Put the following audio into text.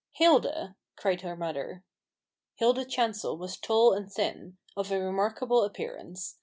" Hilda !" cried her mother. Hilda Chancel was tall and thin, of a remark able appearance.